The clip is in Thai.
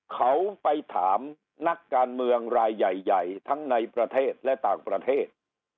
เขาไปถามนักการเมืองรายใหญ่ทั้งในประเทศและต่างประเทศ